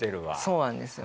そうなんですよ。